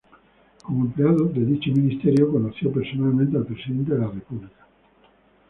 Como empleado, de dicho ministerio, conoció personalmente al presidente de la República.